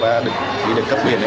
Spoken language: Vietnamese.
và đi được cấp biển này